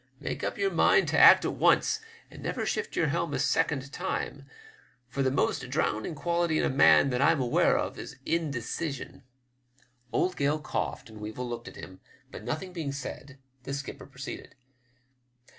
Make up your mind to act at once, and never shift your helm a second time, for the most drowning quality in a man that I'm aware of is indecision. WEEVWS LECTURE. 183 Old Gale coughed, and Weenl looked at him; hut, nothing heing said, the skipper proceeded.